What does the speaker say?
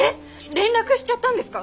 連絡しちゃったんですか？